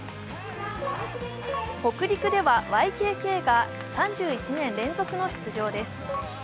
北陸ではＹＫＫが３１年連続の出場です。